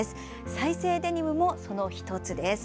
再生デニムもその１つです。